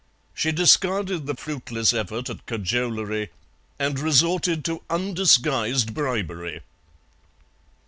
She discarded the fruitless effort at cajolery and resorted to undisguised bribery.